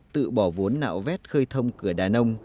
tự bỏ vốn nạo vét khơi thông cửa đà nông